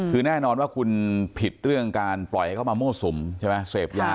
คือแน่นอนว่าคุณผิดเรื่องการปล่อยให้เขามามั่วสุมใช่ไหมเสพยา